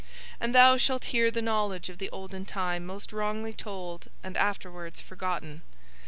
And thou shalt hear the knowledge of the olden time most wrongly told and afterwards forgotten.